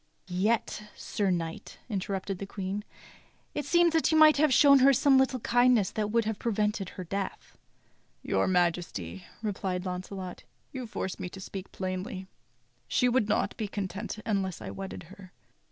"Yet, Sir Knight," interrupted the Queen. "It seems to me that THE ADVENTURES OF LAUNCELOT 93 you might have shown her some little kindness that would have prevented her death." "Your Majesty," replied Launcelot, "you force me to speak plainly. She would not be content unless I wedded her.